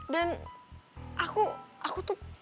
dan aku aku tuh